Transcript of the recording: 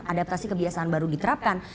adaptasi kebiasaan baru diterapkan